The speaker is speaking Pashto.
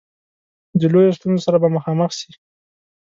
د لویو ستونزو سره به مخامخ سي.